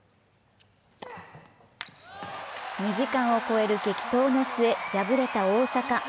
２時間を超える激闘の末、敗れた大坂。